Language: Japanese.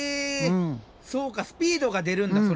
そうかスピードが出るんだそれで。